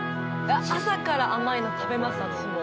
朝から甘いの食べます私も。